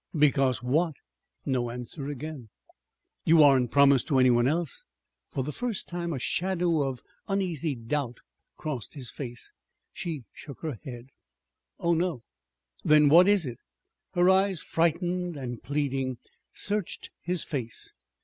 "Because what?" No answer again. "You aren't promised to any one else?" For the first time a shadow of uneasy doubt crossed his face. She shook her head. "Oh, no." "Then what is it?" Her eyes, frightened and pleading, searched his face.